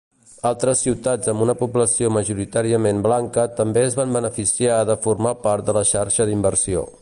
Altres ciutats amb una població majoritàriament blanca també es van beneficiar de formar part de la xarxa d'inversió.